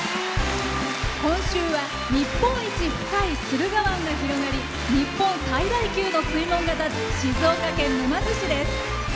今週は日本一深い駿河湾が広がり日本最大級の水門がたつ静岡県沼津市です。